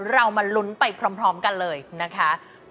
เรามาลุ้นไปพร้อมกันเลยนะคะ